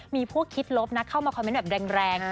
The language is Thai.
มีพวกคิดลบนะเข้ามาคอมเมนต์แบบแรง